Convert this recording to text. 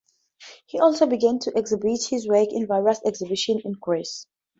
He also began to exhibit his works in various exhibitions in Greece.